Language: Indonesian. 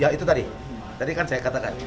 ya itu tadi tadi kan saya katakan